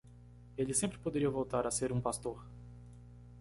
Ele sempre poderia voltar a ser um pastor.